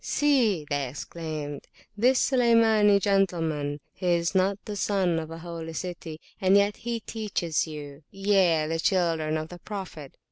See, they exclaimed, this Sulaymani gentleman, he is not the Son of a Holy City, and yet he teacheth youye, the children of the Prophet!